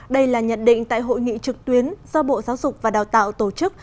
đây là nhận định tại hội nghị trực tuyến do bộ giáo dục và đào tạo tổ chức